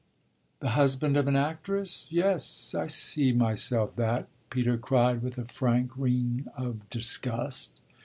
"The husband of an actress? Yes, I see myself that!" Peter cried with a frank ring of disgust.